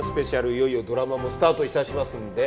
いよいよドラマもスタートいたしますんで。